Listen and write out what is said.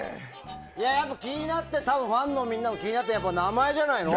やっぱりファンのみんなも気になるのは名前じゃないの？